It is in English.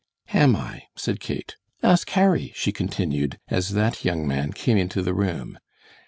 "Am I," said Kate; "ask Harry," she continued, as that young man came into the room.